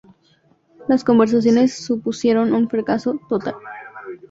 Las conversaciones supusieron un fracaso total.